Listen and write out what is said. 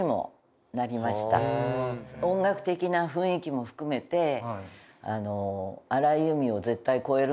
音楽的な雰囲気も含めて「うわー！」